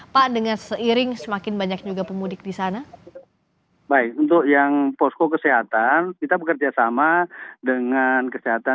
pak dengan seiring semakin banyak juga pemudik di sana